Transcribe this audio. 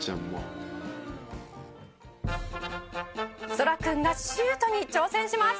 「そらくんがシュートに挑戦します」